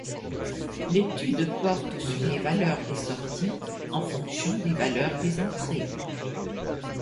L'étude porte sur les valeurs des sorties en fonction des valeurs des entrées.